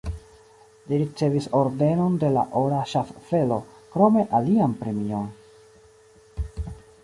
Li ricevis Ordenon de la Ora Ŝaffelo, krome alian premion.